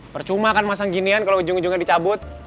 percuma kan masang ginian kalau ujung ujungnya dicabut